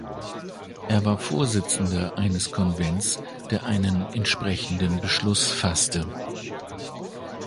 Er war Vorsitzender eines Konvents, der einen entsprechenden Beschluss fasste.